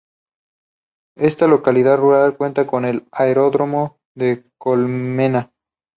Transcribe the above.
Esta localidad rural cuenta con el Aeródromo La Colmena.